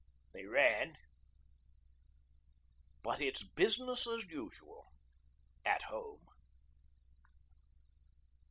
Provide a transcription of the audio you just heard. They ran: But it's Bisness As Usual AT HOME.